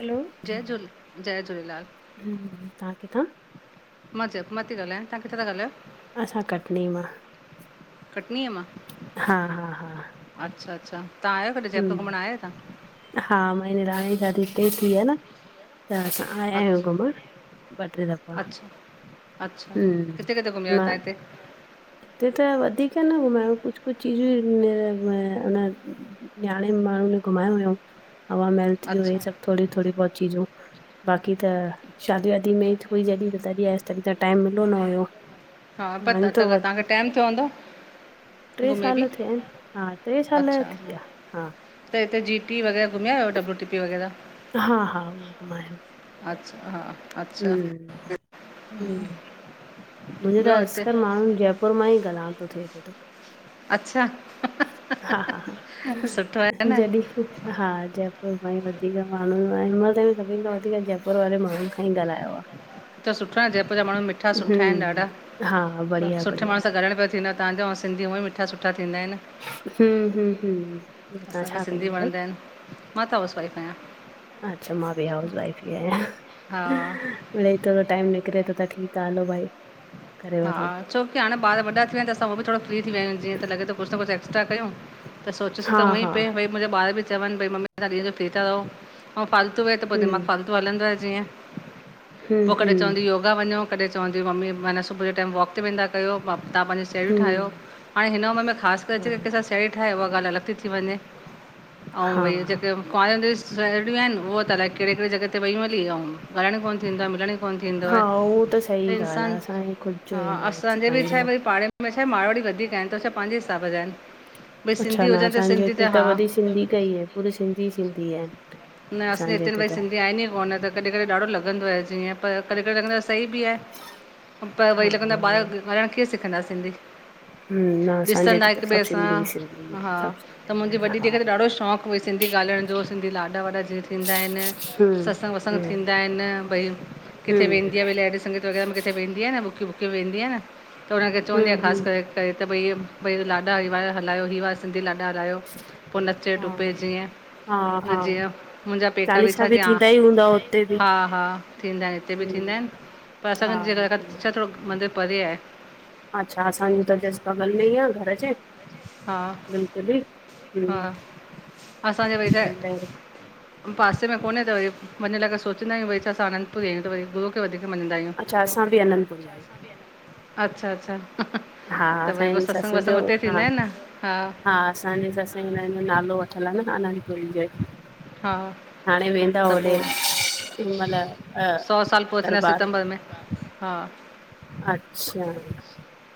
हलो जयझूल जय झूलेलाल। हम्म तव्हां किथां? मां जयपुर मां थी ॻाल्हायां। तां किथां था ॻाल्हायो? असां कटनी मां, कटनीअ मां हा हा हा। अच्छा अच्छा, तां आया आहियो कॾी जयपुर घुमण हम्म आयो तां। हा, मुंहिंज निरान जी शादी हिते ई थी आ न, त असां आया आहियूं अच्छा घुमण ॿ टे दफा। अच्छा अच्छा, किथे किथे घुमी आयउ तां हिते? हुते त वधीक न घुमयाआयूं कुछु कुछु चीजूं न म उन नयाणियूं माण्हुनि में घुमायो हुयूं हवा महल थी वयो हे अच्छा सभु थोरी थोरी बहुत चीजूं बाक़ी त, शादी ॿादी में थोड़ी जॾी त तॾी आयसि तॾी त टाइम मिलियो न हुयो। हा मानी पता त तो व तव्हांखे टाइम थियो हूंदो। टे घुमे बि साल थिया आहिनि, हा टे साल अच्छा थी विया, हा। त हिते जी टी वगैरह घुमियायो डब्ल्यूटीपी वग़ैरह। हा हा उहो घुमायो अच्छा अच्छा हम्म हम्म, मुंहिंजे त ॿियो हिते असकर माण्हुनि जय घर मां ई ॻ्हाइण थो थिए वेठो। अच्छा। ह ह ह हा हा हा, जॾी हा जयपुर खां ई वधीक माण्हू सभिनि खां वधीक जयपुर वारे माण्हुनि खां ई ॻाल्हायो आ। त सुठो न जयपुरा माण्हू मिठा सुठा आहिनि ॾाढा। हम्म हा बढ़िया सुठे बढ़िया माण्हू सां ॻाहण बि थींदा तव्हां जा सिंधी उअईं मिठा सुठा थींदा आहिनि। हम्म हम्म हम्म। तव्हां असांखे छा सिंधी कंदा आहियो वणंदा आहिनि। मां त हाउस वाइफ आहियां। अच्छा, मां बि हाउस वाइफ ई आहियां। हा मिरई थोरो टाइम निकिरे थो त ठीकु आहे हलो भाई। करे हा वठो छोकी हाणे ॿार वॾा विया आहिनि त असां उहो बि थोरो फ्री थी विया आहियूं, जीअं त लॻे थो कुछु न कुुछु एक्स्ट्रा कयूं त सोचियोसीं हा त हुअं ई हा पे भई मुंहिंजा ॿार बि चवनि भई मम्मी तवां ॾींहं जो फ्री था रहो ऐं फालतू वेठे पोइ दिमाग़ु हम्म फालतू हलंदो आहे जीअं। हम्म पोइ कॾहिं हम्म चवंदी योग त वञो कॾहिं चवंदी मम्मी माना सुबह टाइम वॉक ते वेंदा कयो, तां पहिंजे साहिड़ियूं ठाहियो। हम्म हाणे हिन उम्र में ख़ासि करे चाए थी हा कंहिं सां साहेड़ी ठाहियो उहा ॻाल्हि अलॻि थी वञे अऊं भई हा जेके कुंवारे हूंदे जूं सहिड़ियूं आहिनि ऊओ त अलाए कहिड़े कहिड़ी जॻह ते वेयूं हली, अऊं ॻाल्हाइणु कोन थींदो आहे मिलणु कोन थींदो हा आहे। उहो सही त ॻाल्हि आहे इंसानु असांजो ख़ुदि जो ई हा, न थी असांजे में पाईंदो छा आहे वरी पाड़े में छा आहे मारवाड़ी वधीक आहिनि त छा पंहिंजे हिसाब जा आहिनि। भई अच्छा, सिंधी न हुजनि त असांजे सिंधी हिते त हा वरी सिंधी क ई आहे, पूरी सिंधी सिंधी आहिनि। न असांजे हिते भई सिंधी आहिनि ई कोन, त कॾहिं कॾहिं ॾाढो लॻंदो आहे। जीअं पर कॾहिं कॾहिं लॻंदो आहे सही बि आहे। पर हा वरी लॻंदो आहे ॿार ॻाल्हाइणु कीअं सिखंदा सिंधी। हम्म न असांजे ॾिसंदा हिते त हिकु ॿिए सभु सां। सिंधी सिंधी आहिनि हा, सभु त सिंधी मुंहिंजे आहिनि वॾी धीय हा खे त ॾाढो शौंक़ु कोई सिंधी ॻाल्हाइण जो, सिधी लाॾा वाॾा जे थींदा आहिनि, हम्म सत्संग वतसंग थींदा आहिनि, भई किथे हम्म वेंदी आ भई लैडी संगीत वग़ैरह में किथे किथे वेंदी आ न, बुकी बुकी वेंदी आहे न, त हुनखे चवंदी हम्म आहे हम्म हम्म, ख़ासि करे तॾे त भई भई लाॾा हिवारा हलायो ही वरा सिंधी लाॾा हलायो। पोइ नचे हा टुपे जीअं हा हा जीअं मुंहिंजा पेका बि चालीसा छा जी, ह थींदा ई हूंदा हुते बि हा हा थींदा आहिनि हिते बि थींदा आहिनि हम्म, पर हा असांगजे घर खां छा थोरो मंदिर परे आहे। अच्छा, असांजो त जस्ट बॻल में ई आ घर जे। हा बिल्कुल ही हा हम असांजे भई त पासे में कोने त वरी वञण लाइ सोचंदा आहियूं वरी छा असां आनंदपुरी आहियूं त वरी गुरू खे वधीक मञंदा आहियूं असां बि अनंदपुरी अच्छा आहियूं असां ॿि अन, अच्छा अच्छा। हा त भरी पोइ असांजी सत्संग ससु वसंग जो उते हा थींदा आहिनि न, हा। हा असांजे ससंघ में हिन जो नालो वठलु आहे न आनंदपुरी जे हा हाणे वेंदा त होॾे पोइ उ महिल सौ साल पूरा थींदा दरबार। सितंबर में हा अच्छा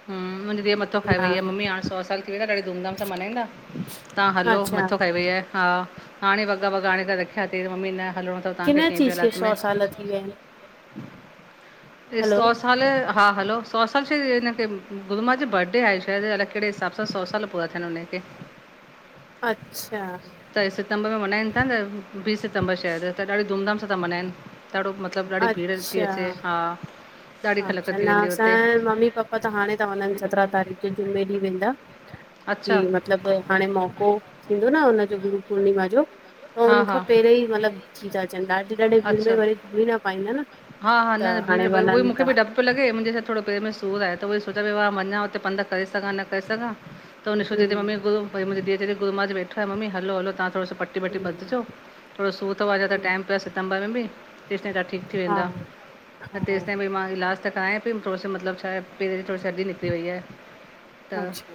हम [unintelligible] मथो खाई वेई आहे न ममी हाणे सौ साल थी वियो त ॾाढ धूम धाम सां मन्नाईंदा। तव्हां हलो, अच्छा मथो खाई वेई आहे। हा हाणे वॻा वॻा आणे त रखिया तईं मम्मी न हलणो तव किन तांखे के ॿि चीज खे हालत सौ में साल थी विया आहिनि टे हलो सौ साल हा हलो सौ साल शइ हिनखे गुरूमां जो बरॾे आहे शायदि अलाए कहिड़े हिसाब सां सौ साल पूरा थियनि हुनखे। अच्छा त ही सितंबर में मनायेन था न बीस सितंबर शायद त ॾाडी धूमधाम सां था मनायेन ॾाढो मत मतलब ॾाडी भीड़ थी अच्छा अचे हा ॾाढी ख़लक अच्छा थी न वेंदी हुते असांया मम्मी पाप पा त हाणे तां वनन सतरा तारीख जे जूमें ॾींह वेंदा अच्छा की- मतलब हाणे मौकों थींदो न हुनजों गुरु पुर्णिमा जो अउ हा हा उनखा पहेरेई मतलब थी था अचन ॾाडीं ॾाॾीं भीड़ में वरी घुमी न पाईंदा न हा-हा न, त न हाणे भीड़ भई ओइ वञनि मुखे था भी ड्रप पयो लगे मुंहजे थोड़ो पेर में सु तु‌ बुधाय त उहोई सोचा पई मा वंना उते पंध करे सघा न करे सघा त निशू चयति हम्म मम्मी गुरू उहोई मुहिंजो धीय चयति गुरू माॅं अज वेठा है मम्मी हल्लो हल्लो तहां थोरो सो पट पट वट हम्म बधजों थोडों सूर तव अञा त हम्म टाइम तस सितंबर में तेस ताई ता ठीक थी हा वेंदा त तेस ताई हा भई मां ईलाज त कराया पई थोड़ो सो मतलब छा ए पेर जीथोड़ी सी हॾॾी निकरी वई आहे त अच्छा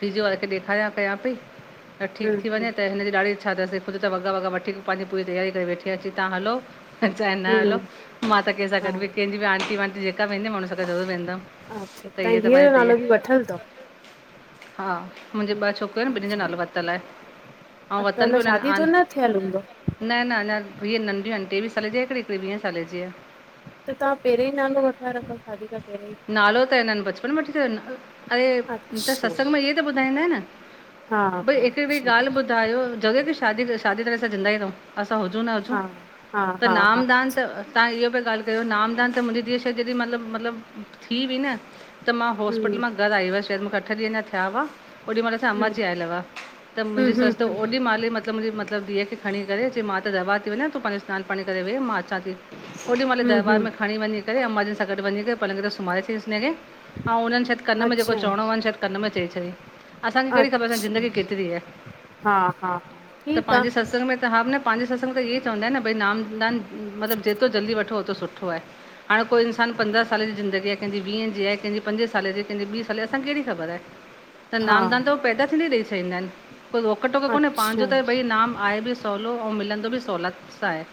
फिजीयों वारे खे ॾेखारया कया पई त ठीक हम्म थी वने हम्म त हिनजी ॾाॾी इच्छा तस खुद त वगा वगा वठी पांजी पूरी तैयारी करे वेठी आ चई तां हलो ता चाहे न हम्म हलो मां त कंहिंसा हा गॾ भी कहिंजी भी आंटी वांटी जेका वेंदम मा उनसा गॾ ज़रूर वेंदम अच्छा तहाई धीअ यो नालो भी वठल तव हा मुहिंजे ब छोक पर बिनिन ॼो अच्छा नालो वर्तल आहे अउ त वतन अञा भी हुनन शादी जो आन न थियल हूंदो न, न अञा वीह नंढ़यू आहिन टेवीह साले जी आहे हिकड़ी वीह साले ॼी आ त तहां पेरेई नालो वठराय रखव शादी खां पहिरियों ई नालो त हिनन बचपन में वठी छॾन, अरे, त अच्छा सत्संग में ईए त बुधाईंदा आहिन हा न। भई हा हिकडी अच्छा गाल बुधायो जरूरी आ की शादी, शादी करे असां जिंदा ही रहूं? असां हुजू न हुजूं, हा हा त हा हा नाम दान त तहां इह पया ॻाल कयो नामदान त मुहिंजी धीअ खे मतलस मतलब थी वई न। त मां हाॅस्पिटल हम्म मा घर आई हुयस, शायद मुखें अठ ॾींह अन्ना थिया हुआ। ओॾी महल असां अम्मा हम्म जी आयल हुआ, त हम्म मुहिंजी हम्म सस त ओॾी महल म् त मुहिंजी मतलब धीअ खे खणी करे चई मां त दरबार ती वनां तू पहिंजो स्नान पाणी करे वेह मां अचांति। ओॾी महल हम्म दरबार हम्म में खणी वञीं करे अम्मा जन सां गॾ वञीं करे लगे तो सुमारे छॾेस् हिंनखे, अउ हुनन शायद कन में जेको अच्छा, चवणो हुन शायद कन्न में चई छॾई। असांखे कहिड़ी खबर असांजी अच्छा, जिंदगी केतरी आ, हा, हा, हा, त ठीकु आ, पांजे सतसंग में त हां न पांजे सतसंग में त ईए चवंदा आहिंन, न भई नामदान मतलब जेतरो जल्दी वठो ओतरो सुठो आहे। हाणे कोई इंसान पंद द्रह साले जी जिंदगी आहे, कहिंजी वीहे जी आहे, कहिंजी पंजे साले जी कहिंजी ॿी साले जी असां खे कहिड़ी खबर? त हा, नाम दान त हो पैदा थींदे ॾई छॾींदा आहिनि, कोई रोक टोक कोन्हें अच्छा, पांजो त भई नाम आहे भी सवलो अउ मिलंदो भी सोलत सां आहे।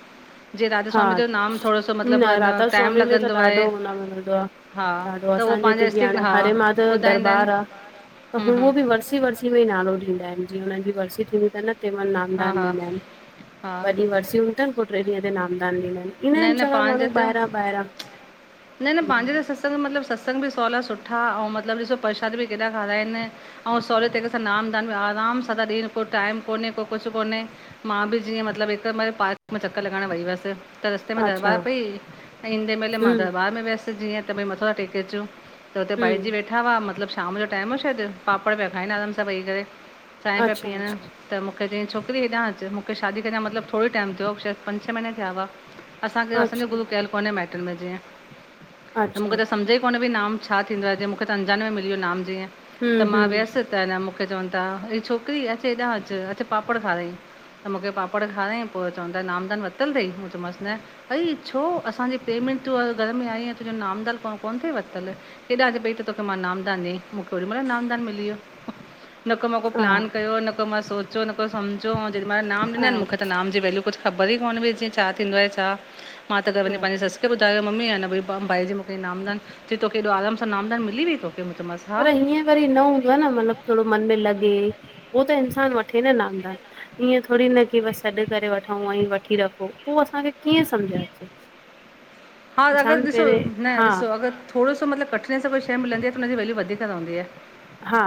जीअं राधा हा स्वामी जो नाम थोरो सो मतिलबु न अन राधा टाइम स्वामी में त लॻंदो आहे ॾाढो हुन मिलंदो आ। हा ॾाढो त उहो असांजे हिते पंहिंजा जीअं स्ट्रिक्ट हाणे हा हरे माधव जो ॿुधाईंदा आहिनि दरबार आ त हम्म हम्म उहो बि व वरसी वरसी में ई नालो ॾींदा आहिनि, जीअं हुननि जी वरसी थींदी तन न। तेंमल हा नामदान हा ॾींदा आहिनि, हा वॾी वरसी हूंदी तनि पो टे ॾींहं ते नामदान ॾींदाइन, न इदाईन न चङा पंहिंजे माण्हू त ॿाहिरां ॿाहिरां सतसंग मतिलबु सतसंग बि सहुला सुठा, अउं मतिलबु ॾिसो प्रसाद बि केॾा खाराइनि ऐं सहुले तरीक़े सां नामदान बि आराम सां ता ॾियन, कोई टाइम कोने को कुछ कोने, मां बि जीअं मतिलबु हिक महिल पार्क में चकर लॻाइण वेई हुयसि त रस्ते में दरबार अच्छा पई, ईंदे महिल मां हूं दरबार में वियस जीअं त भई मथां त टेके अचूं त हुते हूं भाई जी वेठी वेठा हुआ, मतिलबु शाम जो टाइम हो शायदि पापड़ पिया खाइनि आराम सां वेही करे चांहि पिया अच्छा पीअन अच्छा त मूंखे चईं छोकिरी हेॾां अचु, मूंखे शादी खे अञा मतिलबु थोड़ो ई टाइम थियो हो शायदि पंज छह महीना ई थिया हुआ। असांखे असांजो अच्छा गुरु कयल कोन्हे माइटनि में जीअं, त अच्छा मूंखे त सम्झ ई कोन्हे बि नाम छा थींदो आहे, जीअं मूंखे त अंजाने में मिली वियो नाम जीअं त हूं मां हूं वियसि त न मूंखे चवनि ता हे छोकरी, अचु हेॾा अचु अचु पापड़ खारायईं त मूंखे पापड़ खाराईं, पो चवनता नामदान वरितलु तई मूं चयो मांसि न अई छो? असांजे पेमेंट तूं घर में आईं आहिं तुंहिंजो नामदाल कोन तई वरितलु। हेॾा अच पई त तोखे मां नामदान ॾेईं, मूंखे ओॾी महिल नामदान मिली वियो। न को मां को हा प्लान कयो, न को मां सोचो, न को सम्झो, ऐं जेॾी महिल नाम हा ॾिनानि मूंखे त नाम जी वैल्यू कुछ ख़बर ई कोन हुई, जीअं छा थींदो आहे छा? मां त घर वञी हा पंहिंजी ससु खे ॿुधायो मम्मी आ न भई पाम भाई जी मूंखे नामदान, चयईं तोखेे एॾो आराम सां नामदान मिली वयई तोखे मूं चयोमांसि हा पर हीअं वरी न हूंदो आ न मतिलबु थोड़ो मन में लॻे, उ त इंसानु वठे न नामदान। ईअं थोड़ी न की बसि सॾु करे वठऊं ऐं वठी रखो, पो असांखे कीअं सम्झ अचे?। [inaudible] हा त अगरि ॾिसो, पहिरें न हा ॾिसो अगरि थोड़ो सो मतिलबु कठिन सां कोई शइ मिलंद आ त हुनजी वैल्यू वधीक रवंदी आहे। हा,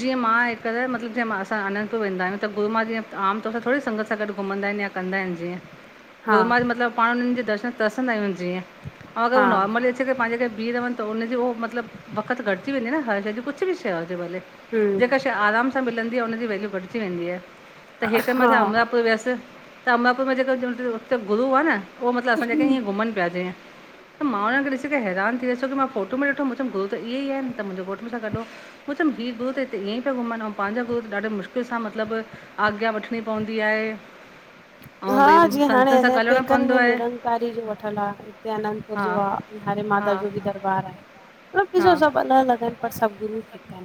जीअं मां हिक मतिलबु जीअं मासां आनंदपुर वेंदा आहियूं, त गुरुू मां जीअं आमतौर सां थोड़ी संगत सां गॾु घुमंदाइन या कंदा आहिनि जीअं। । [inaudible] गुरू मां मतिलबु पाण हुन्हनि जे दर्शनु तरिसंदा आहियूं जीअं ऐं अगरि हा उ नॉर्मली जे पंहिंजे करे बीह रहनि त उन जो उहो मतिलब बक़्त घटिजी वेंदी न हर शइ जी कुछ बि शेवा हुजे भले। हम्म जेका शइ आराम सां मिलंदी आहे हुनजी वैल्यू घटिजी वेंदी आहे त हिकर मां छा हा अमरापुर वियसि। त अमरापुर में जेके हुते गुरु आहे न उहो मतिलबु असां जेके हीअं घुमनि पिया जीअं। त मां हुननि ॾीस करे हैरान थी वियस छो मां फोटो में ॾिठो चयोमि गुरु त ईअई एनत मुंजो घोट मूं सां गॾु हो। मूं चओ ही गुरु त हिते ईअं ई पिया घुमनि अऊं पांजा गुरु त ॾाढो मुश्किल सां मतलबु आज्ञा वठणी पवंदी आहे। ऐं भई हा जीअं हाणे संतनि सां असांजे ॻाल्हाइणो पेकनि पवंदो में आहे निरंकारी जो वठलु आहे। हिते आनंदपुर हा जो आ हरे माता हा जो बि दरबार आहे हा मबिसो सभु अलॻि अलॻि आहिनि। पर सभु गुरु हिक ऐन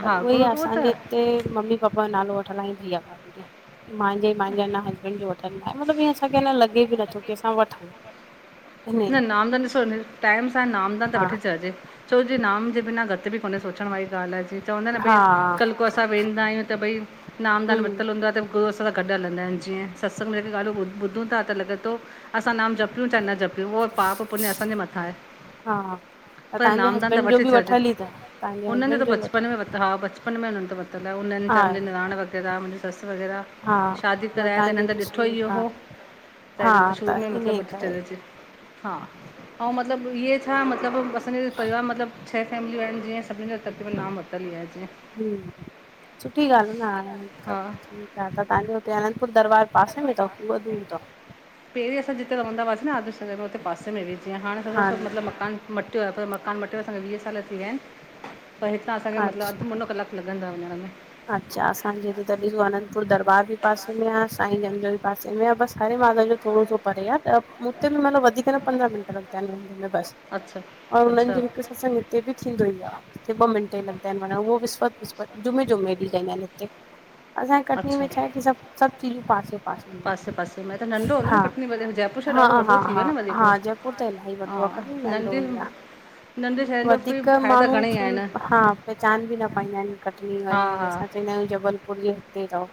पर हा उहे ई गुरू उहो असांजे त हिते मम्मी पापा जो नालो व हलाइदीं आ भाभी तो मांजे मांजे हसबैंड जो वठण लाइ मतलबु हअं असांखे न लॻे बि नथो कंहिंसां वठूंउ। न नामदन ॾिसो टाइम सां नामदन त हा वठी छॾजे। छो जे नाम जे बिना गति बि कोन्हे सोचण वारी ॻाल्हि आहे जी। चवंदा एन भई हा कल्ह को असां वेंदा आहियूं त भई नाम दान हम्म वरितलु हूंदो आहे त गुरू असा सां गॾु हलंदा आहिनि जीअं सत्ंग जेक ॻाल्हियूं ॿुधूं ता त लॻे तो असां नाम जपियूं चाहे न जपियूं उहो पाप पुञु असांजे मथां आहे। हा त पर तव्हांजे नामदान त हसबैंड जो वठी बि छॾजे वठियल ई अथव तव्हांजे उननि जो हसबैंड त बि बचपन वठियल में वरत हा बच पपनि में हुननि त वरतलु आहे उन्हनि हा हे मुंहिंज वग़ैरह मुंहिंजी ससु वग़ैरह हा शादी न कराए त तव्हांजे हिननि त हिते ॾिठो शुरू ई हा हो त हा हिननि त शुरू में ई इन मतिलब वठी छॾ करे अचे। हा अऊं मतलब इहे छा मतलब असांजे परिवार मतलब छह फैमिलियूं आहिनि जीअं सभीनि ज तकरीबनि न वरितल ई आहे जीअं हम, सुठी ॻाल्हि न हाण हा सभ हां त तांजो हुते अनंंदपुर दरबार पासे में तव उहा दूर तव? पहिरीं अंसा जिते रवंदावासीं न आदर्श नगर में हुते पासे में बि जीअं हाणे थोरो सो मतिलब मकान मटियो आ पर मकान मटियो आहे असांखे वीह साल थी विया ऐन पर हितां असांखे मतिलब अच्छा अधु मुनो कलाक लॻंदा वञण में। अच्छा असांजे हिते त ॾिसो अनंदपुर दरबार बि पासे में आहे साईं जन जो पासे में आ बसि हरे माता जो थोरो सो परे आ त हुते बि मतिलबु वधीक त हन पंद्रह मिनट लगदां ऐंन में बस अच्छा अच्छा लंजन सतसंग उते बि थींदो ई आहेे ॿ मिंटे लॻंदा आहिनि विसपत विसप जुमे जूमे। बि कंदा एन उते। असांजी कटनी अच्छा में छा आहे की सभु सभु चीजूं पासे पासे पासे में त नंढो ईंदियूं हूंदो न हा कटनी वधे जयपुर शहर हा ॾाढो वॾो हा थी वियो हा न वरी पोइ हा जयपुर त इलाही हा वॾो आ कॾी नंढो नंढे हूंदो आ। नंढे शहरनि जो बि वधीक फ़ाइदा घणेई माण्हू आहिनि हा पहचान बि न पाईंदा ऐन कटनी हा वी हा असां। नयो जबलपुर इयो हिते तव।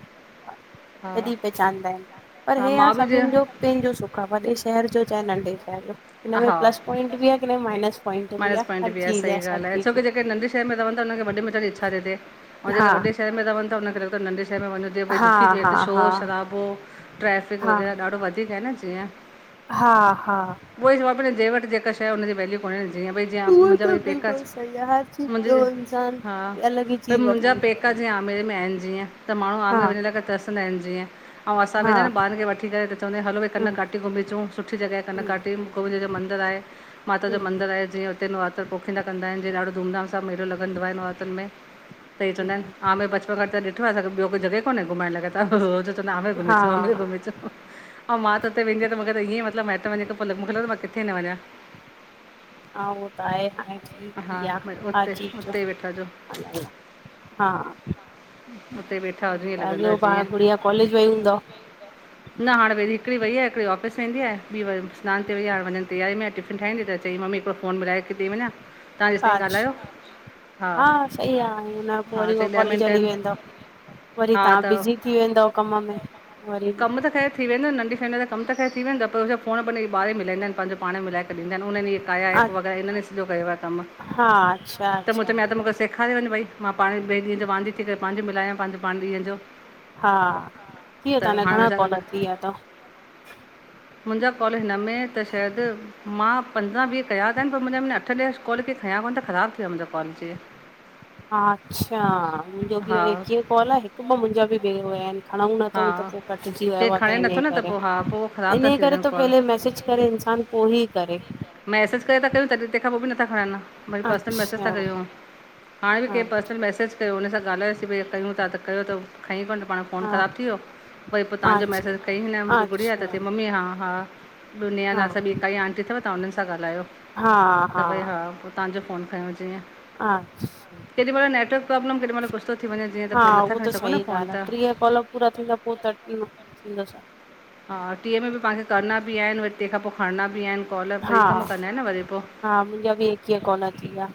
हा हा तॾहिं पहचानंदा आहिनि पर हे हा मां बि जे सभिनि जो पंहिंजो सुख आ वॾे शहर जो चाहे नंढे शहर जो। हिन में हा प्लस पॉइंट बि आहे की माइनस पोइंट बि माइनस आहे पॉइंट हर चीज आ सही ॻाल्हि आहे छो की जेके नंढे शहर में रवन ता हुनखे वॾे मेंढ इच्छा थए ऐं जेेके हा वॾे शर में रहनिा हुनखेॻ नढे शर में वञो जीअ भई हा दुखी थिए हा त हा शोर शराबो ट्रैफिक हा वग़ैरह ॾाढो वधीक आहे न जीअं हा हा। उई चवां पी न थे वट जेका शइ हुनजी वैल्य को जीअं भई जीअं उहो मुंहिंजा त ई पेका, बिल्कुलु सही आहे हर चीज मुंहिंजे ॿियो इंसान हा अलॻि ई भई चीज मुंहिंजा वठनि पेका चाहिंजे जीअं आमेर में एन जीअं त माण्हू हा आमेर वञ ल त तसि वेंदाआहिन जीअं अंउं असां हा वेंदाय ॿारन खे वठी करे त चंदआआहिय हलो भई हम कनकघाटी घुमीचुं सुठी जॻहि हम कनकघाटी। गोविंद देव जो मंदरु आहे माता जो हम मंदरु आहे जीअं उते नुरातरन पोखींदा कंदा आहिन जीअं ॾाढो धूमधाम सां मेलो लॻंदो आहे नवरातनि में। त हि चवंद आहिन हम में बचपनगट त ॾिठो आहे अ ॿियो कोई जगह कोन्हे घुमाण लाय। आमेर हा घुमेचो आमेर घुमीचो ऐं मां त हुते वेंदी त मूंखे त इअं मतिलब माईट वञ पल मूंखे लजे थो मां किथे न वञा। हा उहो त आहे हाणे ठीकु हा ई भई आहे उते हाजी जो उते ई वेठा हुजो हलाए। हा, उते वेठा हुजो ईअं ऐं लॻंदो ॿियो आहे जीअं गुड़िया कॉलेज वयी हूंदव। [unintelligible] न हाणेई हिकिड़ी वई आहे हिकिड़ ऑफिस वेंदी आहे ॿी व सनानु ते वेई आ हाणे वञण जी तैयारी में आहे। ठहंदी त चई ममी हिकड़ो फ़ोन मिलाए के ॾई वञा। हा तेस्ताईं आज ॻाल्हायो हा सही आहे हुन पोइ हा वरी उह चई ॾह कॉलेज मिंट हली आहिनि वेंदव। वरी हा तव्हां त बिज़जी थी वेंदव कम में वरी कम त ख़ैरु थी वेंदो नंढी फैमिली त कम त करे थी वेंदा पर हु फ़ोन ॿार मिलंद आहिन पंहिंज पाण मिलाए ॾीन्दा आहिन उननिहे क़ाया अ ऐप वग़ैरह हिनन सज्यो कयो आहे। कमु हा अच्छा त मूं अच्छा। चयो या त मूंखे सेखारे वञ भई मां पाण ॿिए ॾींहं जो वांदी थी करे पंहिंजी मिलायां पंहिंज पाणे ॾींहं जो। हा थी वया त ताहांजा हाणे हुन घणा सां कॉल गॾु थी विया अथव। मुंहिंजा कॉल हिन में त शायद मां पंद्रहं वीह कया त आहिन पर मुंहिंजा में अठ ॾहू कॉल खे खयां कोन्ह त ख़राब थी वियोया मुंहिंजो कॉल जे - - अच्छा मुंहिंजो बि कीअं कॉल आहे हिकु ॿ मुंहिंजा बि हुया आहिन खणऊ न - - हा त पोइ कटजी केरु वयो खणे नथो न करे त पोइ हा पोइ ख़राबु था इन थी करे वञनि त कॉल पहले मैसेज करे इंसान - - उ ई करे - - मैसेज करे था कयूं तॾहिं तंहिंख पोइ बि नथा खणन। मुंहिंज पर्सनल मैसेज था अच्छा कूं हाणे बि हा कंहिं पर्सनल मैसेज - - कयो हुन सां ॻाल्हायोसीं भई कयूं था त कयो त खईं कोन्ह त पाण - - फोन हा ख़राब थी वियो वरी पोइ तव्हांजो अच्छा मैसेज कई न मुंहिंजी गुड़िया अच्छा त मम्मी हा हा - - दुनिया हा नाल सां काई आटी अथव्हां हुनन सां ॻाल्हायो। हा - - त भई हा पोइ तव्हांजो फफ़ोन खयो जीअं। हा - - केॾी महिल नेटर्क प्रॉब्लम केॾीहिल कुु थी वञे जीअं त हा पोइ नथ उहो खण त सघूं सही न ॻाल्हि फोन आहे त - - टीह कॉल पूरा थींदा पोइ त थींद छा। हा टीह में बिव्हांखे करणा बि आहिन वरी तंहिंखां पोइ खणणा बि आहिन। कॉल ॿई हा कम कंदा आहिन न वरी पोइ। हा मुंहिंजा बि एकवीह कॉल थी विया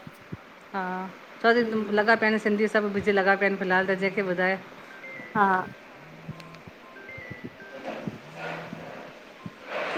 हा लॻा पिया आहिन सिंधी सभ बिज लॻा पिया आहिन फिलहाल त जंहिंखे ॿुधाए। हा - - ह - -